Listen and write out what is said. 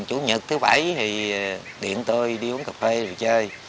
chủ nhật thứ bảy thì điện tôi đi uống cà phê rồi chơi